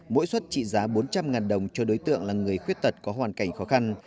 mỗi suất trị giá bốn trăm linh đồng cho đối tượng là người khuyết tật có hoàn cảnh khó khăn